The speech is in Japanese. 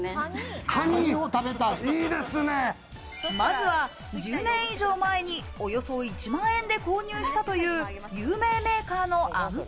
まずは１０年以上前に、およそ１万円で購入したという有名メーカーのアンプ。